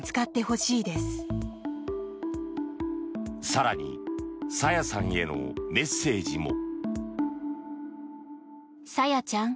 更に朝芽さんへのメッセージも。